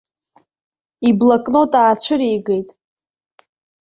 Иблокнот аацәыригеит.